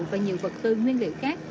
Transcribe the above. và nhiều vật tư nguyên liệu khác